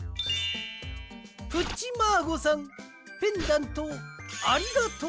「プッチマーゴさんペンダントをありがとう」。